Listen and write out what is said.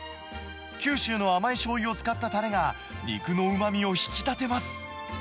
九州の甘いしょうゆを使ったたれが、肉のうまみを引き立てます。